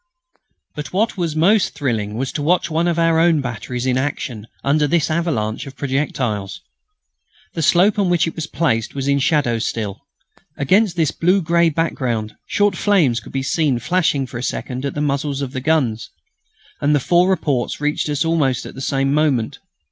But what was most thrilling was to watch one of our own batteries in action under this avalanche of projectiles. The slope on which it was placed was in shadow still. Against this blue grey background short flames could be seen flashing for a second at the muzzles of the guns. And the four reports reached us almost at the same moment.